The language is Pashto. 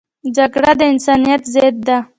جګړه د انسانیت ضد ده